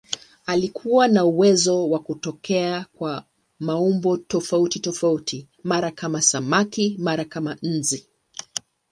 Alikuwa na uwezo wa kutokea kwa maumbo tofautitofauti, mara kama samaki, mara kama nzi.